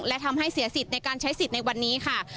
และทำให้เสียสิทธิ์ในการใช้สิทธิ์ในวันนี้ค่ะ